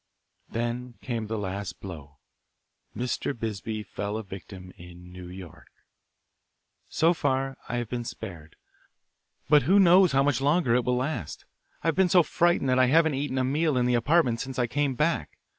Then came the last blow Mr. Bisbee fell a victim in New York. So far I have been spared. But who knows how much longer it will last? I have been so frightened that I haven't eaten a meal in the apartment since I came back.